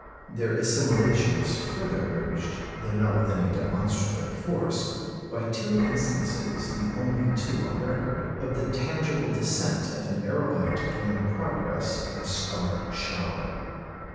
Their assimilation is further urged though not with any demonstrative force by two instances, the only two on record, of the tangible descent of an aerolite during the progress of a star shower.